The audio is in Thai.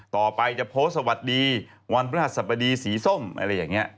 ต่อไปจะโพสต์สวัสดีวันพระหัสบดีสีส้มอะไรอย่างนี้